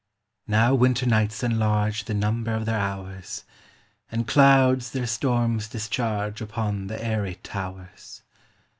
Now winter nights enlarge The number of their hours, And clouds their storms discharge Upon the airy towers.